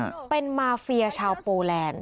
เป็นมาเฟียชาวโปแลนด์